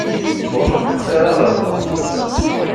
Ur neṭṭqet ara ɣer Tom.